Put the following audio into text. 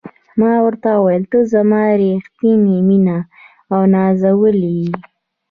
ما ورته وویل: ته زما ریښتینې مینه او نازولې یې.